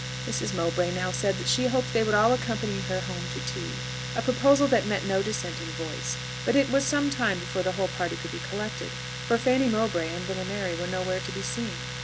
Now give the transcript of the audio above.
Mrs. Mowbray now said that she hoped they would all accompany her home to tea; a proposal that met no dissenting voice; but it was some time before the whole party could be collected, for Fanny Mowbray and little Mary were nowhere to be seen.